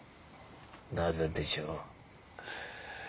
なぜでしょう。